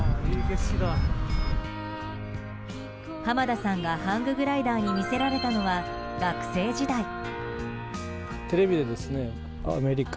濱田さんがハンググライダーに魅せられたのは学生時代。